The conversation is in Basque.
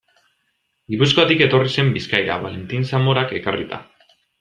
Gipuzkoatik etorri zen Bizkaira, Valentin Zamorak ekarrita.